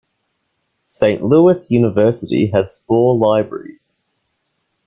Saint Louis University has four libraries.